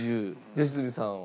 良純さんは？